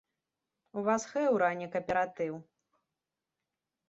У вас хэўра, а не кааператыў!